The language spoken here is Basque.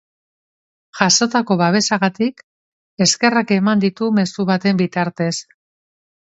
Jasotako babesagatik eskerrak eman ditu mezu baten bitartez.